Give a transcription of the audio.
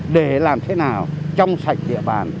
để làm thế nào trong sạch địa bàn